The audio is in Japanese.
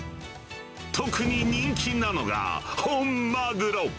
特に人気なのが本マグロ。